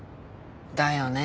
だよね